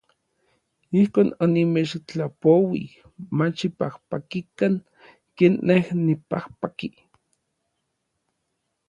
Ijkon onimechtlapouij ma xipajpakikan ken nej nipajpaki.